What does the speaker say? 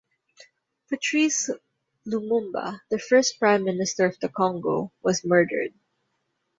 Patrice Lumumba, the first Prime Minister of the Congo, was murdered.